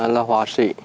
là hoa sĩ